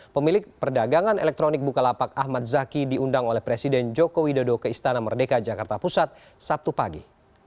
pemilik perdagangan elektronik bukalapak ahmad zaki diundang oleh presiden joko widodo ke istana merdeka jakarta pusat sabtu pagi